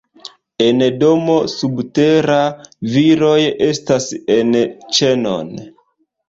En domo subtera, viroj estas en ĉenon.